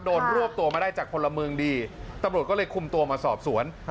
รวบตัวมาได้จากพลเมืองดีตำรวจก็เลยคุมตัวมาสอบสวน